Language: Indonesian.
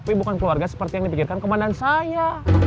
tapi bukan keluarga seperti yang dipikirkan kemanan saya